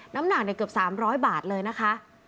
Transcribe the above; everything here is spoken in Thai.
น้ำหนักเกือบ๓๐๐บาทเลยนะคะ